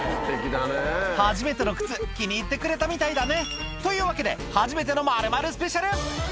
初めての靴、気に入ってくれたみたいだね。というわけで、初めての〇〇スペシャル。